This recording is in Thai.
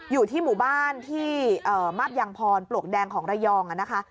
อยู่ที่หมู่บ้านที่มาบยางพรปลวกแดงของระยองนะคะ